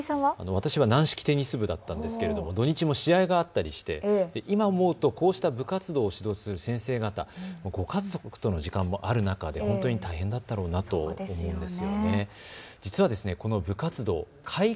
私は軟式テニス部だったんですけれども土日も試合があったりして今思うとこうした部活動を指導する先生方、ご家族との時間もある中で本当に大変だったと思うんです。